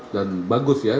dan bagus ya